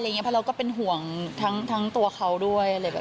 เพราะเราก็เป็นห่วงทั้งตัวเขาด้วย